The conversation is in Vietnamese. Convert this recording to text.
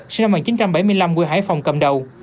sinh năm một nghìn chín trăm bảy mươi năm quê hải phòng cầm đầu